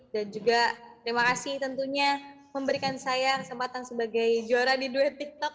dan juga terima kasih tentunya memberikan saya kesempatan sebagai juara di duet tiktok